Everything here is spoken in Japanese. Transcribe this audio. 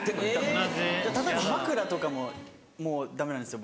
例えば枕とかももうダメなんですよ